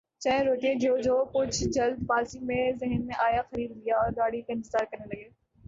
چائے اور روٹیاں جو جو کچھ جلد بازی میں ذہن میں آیا خرید لیااور گاڑی کا انتظار کرنے لگے ۔